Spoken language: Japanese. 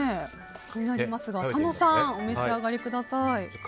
気になりますが佐野さんお召し上がりください。